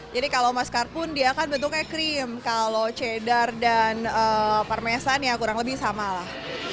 jadi kalau mascarpone dia kan bentuknya krim kalau cheddar dan parmesan ya kurang lebih sama lah